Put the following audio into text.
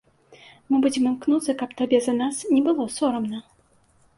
Мы будзем імкнуцца, каб табе за нас не было сорамна.